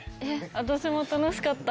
私も楽しかった。